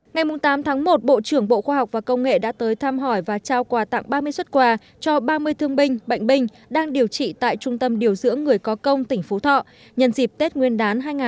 ngày tám tháng một bộ trưởng bộ khoa học và công nghệ đã tới thăm hỏi và trao quà tặng ba mươi xuất quà cho ba mươi thương binh bệnh binh đang điều trị tại trung tâm điều dưỡng người có công tỉnh phú thọ nhân dịp tết nguyên đán hai nghìn hai mươi